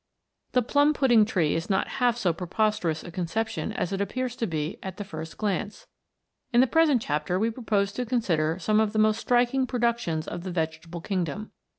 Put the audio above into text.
The plum pudding tree is not half so preposterous a conception as it appears to be at the first glance. 232 WONDERFUL PLANTS. In the present chapter we propose to consider some of the most striking productions of the vege table kingdom.